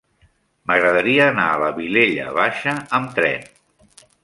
M'agradaria anar a la Vilella Baixa amb tren.